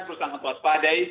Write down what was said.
perlu sangat waspadai